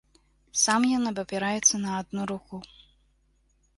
Сам ён абапіраецца на адну руку.